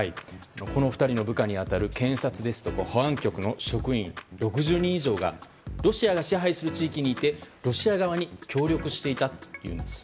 この２人の部下に当たる検察や保安局の職員６０人以上がロシアが支配する地域にいてロシア側に協力していたというんです。